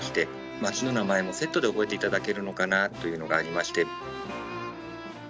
町の名前もセットで覚えていただけるのかなというのがありまして。